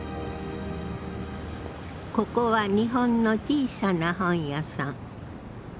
ここは日本の小さな本屋さん。